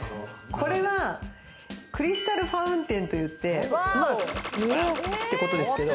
これはクリスタルファウンテンと言って、ってことですけど。